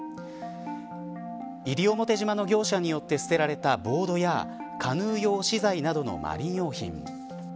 西表島の業者によって捨てられたボードやカヌー用資材などのマリン用品。